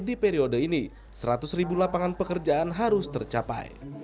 di periode ini seratus ribu lapangan pekerjaan harus tercapai